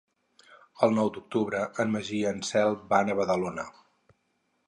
El nou d'octubre en Magí i na Cel van a Badalona.